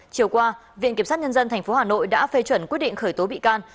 chiều qua viện kiểm sát nhân dân tp hà nội đã phê chuẩn quyết định khởi tố bị can